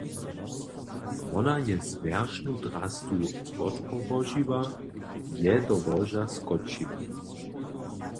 Wona je zwjeršnu drastu wotpołožiła je do łoža skočiła.